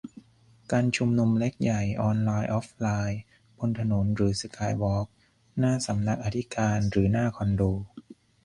การชุมนุมเล็กใหญ่ ออนไลน์ ออฟไลน์ บนถนนหรือสกายวอล์ก หน้าสำนักอธิการหรือหน้าคอนโด